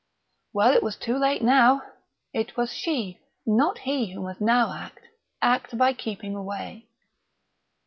Well, it was too late now. It was she, not he, who must now act act by keeping away.